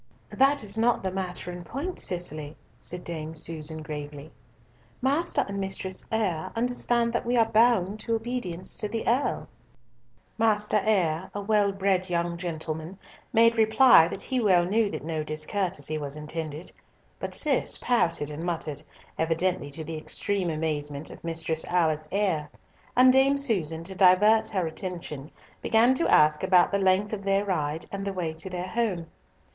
"That is not the matter in point, Cicely," said Dame Susan gravely. "Master and Mistress Eyre understand that we are bound to obedience to the Earl." Master Eyre, a well bred young gentleman, made reply that he well knew that no discourtesy was intended, but Cis pouted and muttered, evidently to the extreme amazement of Mistress Alice Eyre; and Dame Susan, to divert her attention, began to ask about the length of their ride, and the way to their home.